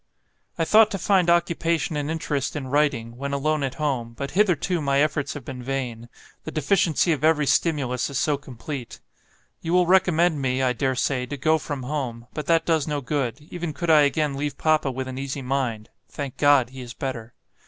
"I thought to find occupation and interest in writing, when alone at home, but hitherto my efforts have been vain; the deficiency of every stimulus is so complete. You will recommend me, I dare say, to go from home; but that does no good, even could I again leave Papa with an easy mind (thank God! he is better).